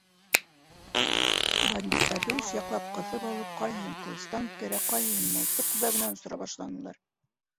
Бандиттарҙы өс яҡлап ҡыҫып алып, ҡайһыһын ҡылыстан үткәрә, ҡайһыһын мылтыҡ көбәгенән осора башланылар.